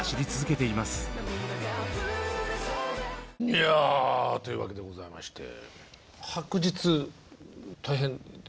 いやあというわけでございまして。